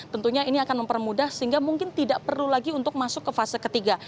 tentunya ini akan mempermudah sehingga mungkin tidak perlu lagi untuk masuk ke fase ketiga